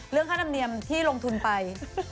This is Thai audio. เรื่องค่าธรรมเนียมที่ลงทุนไป